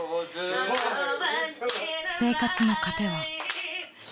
［生活の糧は］